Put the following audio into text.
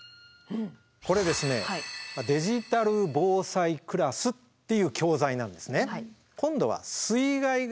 これですね「デジタル防災クラス」っていう教材なんですね。